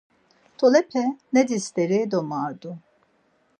Tolepe nedzi steri domardu.